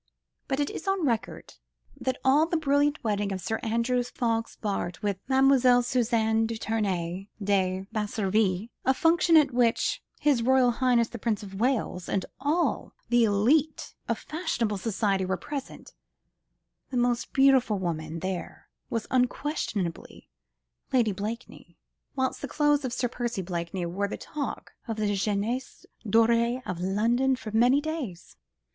But it is on record that at the brilliant wedding of Sir Andrew Ffoulkes, Bart., with Mlle. Suzanne de Tournay de Basserive, a function at which H.R.H. the Prince of Wales and all the élite of fashionable society were present, the most beautiful woman there was unquestionably Lady Blakeney, whilst the clothes Sir Percy Blakeney wore were the talk of the jeunesse dorée of London for many days.